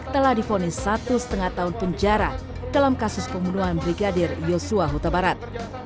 telah difonis satu lima tahun penjara dalam kasus pembunuhan brigadir yosua huta barat